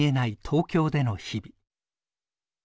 東京での日々。